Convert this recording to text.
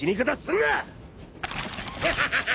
グハハハ！